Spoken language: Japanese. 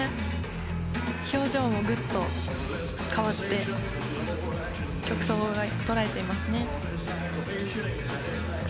表情もぐっと変わって曲想を捉えていますね。